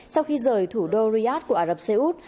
sau khi rời thủ đô riyadh của ả rập xê út